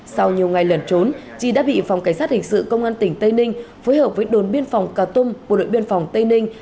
sau nhiều ngày lẩn trốn chị đã bị phòng cảnh sát hình sự công an tp tây ninh phối hợp với đồn biên phòng cà tum của đội biên phòng tây ninh